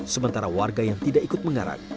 sementara warga yang tidak ikut mengarak